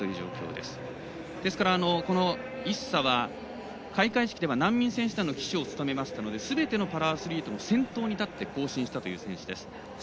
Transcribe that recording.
ですから、イッサは開会式では難民選手団の旗手を務めましたのですべてのパラアスリートの先頭に立って行進したという選手です。